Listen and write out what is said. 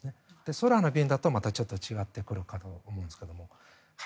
空の便だとまたちょっと違ってくるかと思うんですけど。